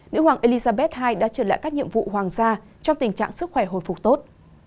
nữ hoàng elizabeth ii đã trở lại các nhiệm vụ hoàng sa trong tình trạng sức khỏe hồi phục tốt